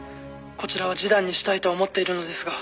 「こちらは示談にしたいと思っているのですが」